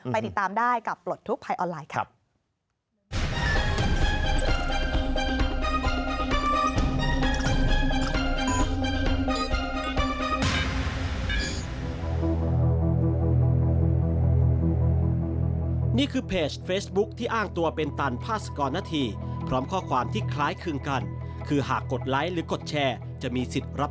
ติดตามได้กับปลดทุกข์ภัยออนไลน์ครับ